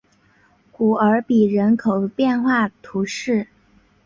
古尔比人口变化图示